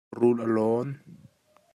Rul a lawn.